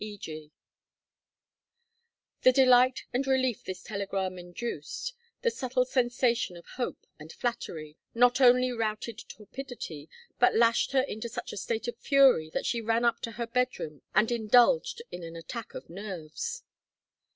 E. G." The delight and relief this telegram induced, the subtle sensation of hope and flattery, not only routed torpidity, but lashed her into such a state of fury that she ran up to her bedroom and indulged in an attack of nerves.